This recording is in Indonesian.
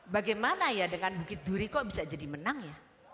bagaimana ya dengan bukit duri kok bisa jadi menang ya